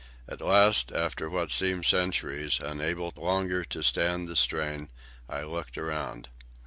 At last, after what seemed centuries, unable longer to stand the strain, I looked around.